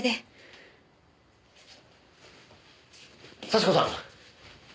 幸子さん。